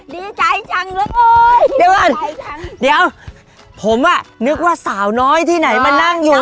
ดีใจจังเลยโอ๊ยเดินเดี๋ยวผมอ่ะนึกว่าสาวน้อยที่ไหนมานั่งอยู่